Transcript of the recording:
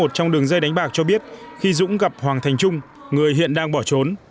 trong đường dây đánh bạc cho biết khi dũng gặp hoàng thành trung người hiện đang bỏ trốn